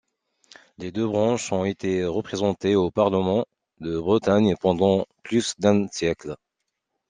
Les deux branches ont été représentées au Parlement de Bretagne pendant plus d'un siècle.